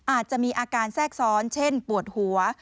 อาจจะมีอาการแทรกซ้อนเช่นปวดหัว